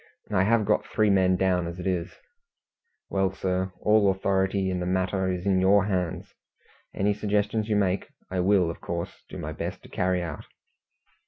I have got three men down as it is." "Well, sir, all authority in the matter is in your hands. Any suggestions you make, I will, of course, do my best to carry out."